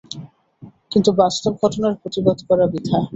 কিন্তু বাস্তব ঘটনার প্রতিবাদ করা বৃথা।